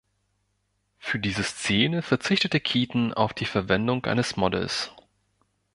Für diese Szene verzichtete Keaton auf die Verwendung eines Modells.